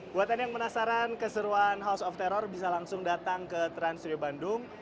buatan yang penasaran keseruan house of terror bisa langsung datang ke trans studio bandung